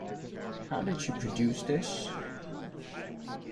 How did you produce this?